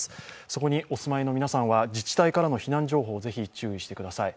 そこにお住まいの皆さんは自治体からの避難情報にぜひ注意してください。